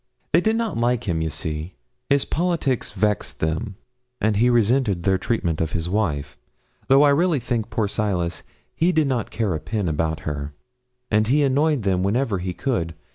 They did not like him, you see. His politics vexed them; and he resented their treatment of his wife though I really think, poor Silas, he did not care a pin about her and he annoyed them whenever he could.